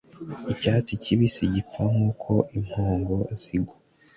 Icyatsi kibisi gipfa nkuko impongo zigwa